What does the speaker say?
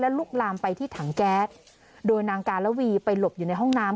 ลุกลามไปที่ถังแก๊สโดยนางกาลวีไปหลบอยู่ในห้องน้ำ